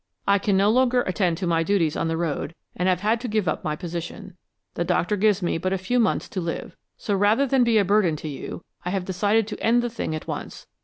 I can no longer attend to my duties on the road and have had to give up my position. The doctor gives me but a few months to live, so rather than be a burden to you I have decided to end the thing at once.